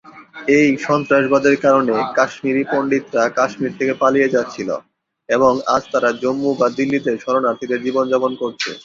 এই সন্ত্রাসবাদের কারণে, কাশ্মীরি পণ্ডিতরা কাশ্মীর থেকে পালিয়ে যাচ্ছিল, এবং আজ তারা জম্মু বা দিল্লিতে শরণার্থীদের জীবনযাপন করছে।